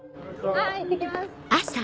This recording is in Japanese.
はいいってきます。